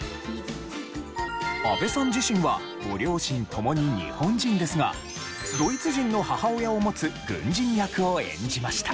阿部さん自身はご両親共に日本人ですがドイツ人の母親を持つ軍人役を演じました。